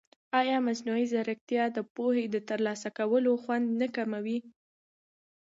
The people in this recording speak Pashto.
ایا مصنوعي ځیرکتیا د پوهې د ترلاسه کولو خوند نه کموي؟